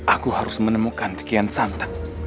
aku harus menemukan kian santa